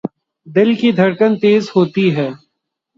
دل کی دھڑکن تیز ہوتی ہے